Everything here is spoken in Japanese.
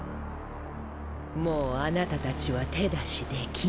もう貴方たちは手出しできない。